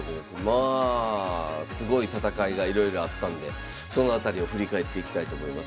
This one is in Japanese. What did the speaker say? まあすごい戦いがいろいろあったんでその辺りを振り返っていきたいと思います。